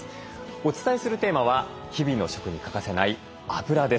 お伝えするテーマは日々の食に欠かせないあぶらです。